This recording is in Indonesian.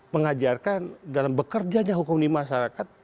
mengajarkan dalam bekerjanya hukum di masyarakat